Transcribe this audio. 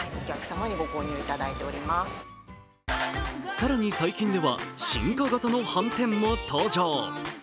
更に、最近では進化型のはんてんも登場。